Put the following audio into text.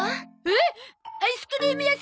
えっアイスクリーム屋さん